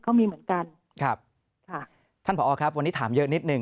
ก็มีเหมือนกันครับค่ะท่านผอครับวันนี้ถามเยอะนิดหนึ่ง